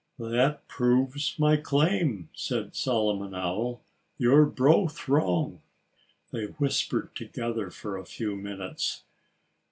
"That proves my claim," said Solomon Owl. "You're both wrong." They whispered together for a few minutes.